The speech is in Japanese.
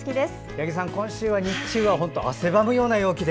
八木さん、今週は汗ばむような陽気で。